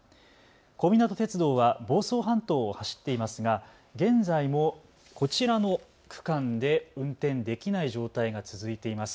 小湊鐵道は房総半島を走っていますが現在もこちらの区間で運転できない状態が続いています。